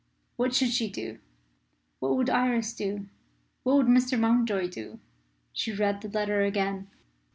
What should she do? What would Iris do? What would Mr. Mountjoy do? She read the letter again.